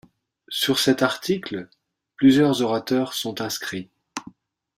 Sur cet article, plusieurs orateurs sont inscrits.